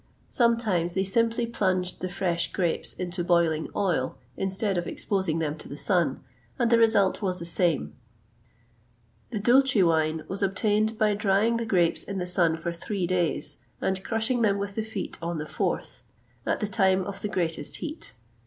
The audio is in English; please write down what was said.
Sometimes they simply plunged the fresh grapes into boiling oil, instead of exposing them to the sun, and the result was the same.[XXVIII 121] The Dulce wine was obtained by drying the grapes in the sun for three days, and crushing them with the feet on the fourth, at the time of the greatest heat.